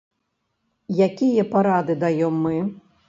Якія парады даём мы?